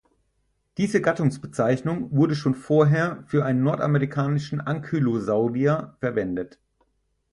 Diese Gattungsbezeichnung wurde schon vorher für einen nordamerikanischen Ankylosaurier verwendet.